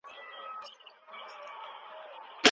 ایا لوی صادروونکي وچه الوچه صادروي؟